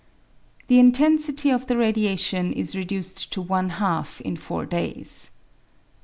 The intensity of the radiation is reduced to one half in four days.